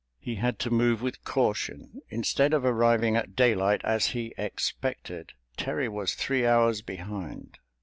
He had to move with caution. Instead of arriving at daylight as he expected, Terry was three hours behind.